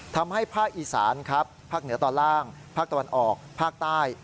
ภาคอีสานครับภาคเหนือตอนล่างภาคตะวันออกภาคใต้